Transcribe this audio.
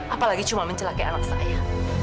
apalagi cuma mencelakai anak saya